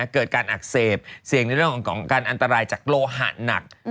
เกิดการอักเสบเสี่ยงในเรื่องของการอันตรายจากโลหะหนัก